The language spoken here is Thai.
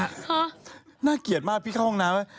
ฮะน่าเกลียดมากพี่เข้าห้องน้ำแล้ว